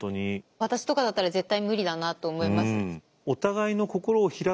私とかだったら絶対無理だなと思います。